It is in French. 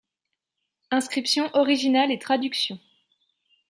Inscription originale et traduction.